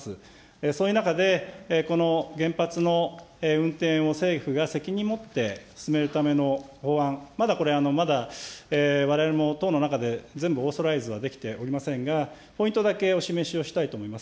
そういう中でこの原発の運転を政府が責任持って進めるための法案、まだこれ、まだわれわれも党の中で、全部、オーソライズはできておりませんが、ポイントだけお示しをしたいと思います。